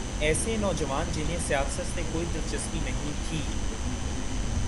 ایسے نوجوان جنہیں سیاست سے کوئی دلچسپی نہیں تھی۔